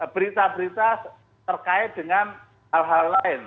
berita berita terkait dengan hal hal lain